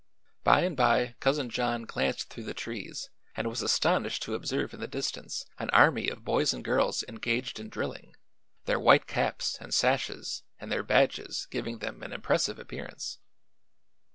By and by Cousin John glanced through the trees and was astonished to observe in the distance an army of boys and girls engaged in drilling, their white caps and sashes and their badges giving them an impressive appearance.